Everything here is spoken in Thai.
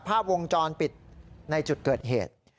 ภาพวงจรปิดในจุดเกิดเหตุ